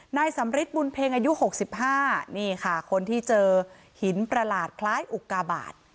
นายสำริทบุญเพ็งอายุ๖๕นี่ค่ะคนที่เจอหินประหลาดคล้ายอุกาบาท